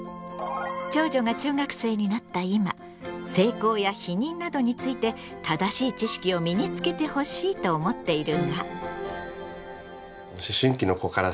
長女が中学生になった今性交や避妊などについて正しい知識を身につけてほしいと思っているが。